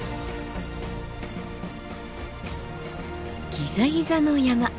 ギザギザの山。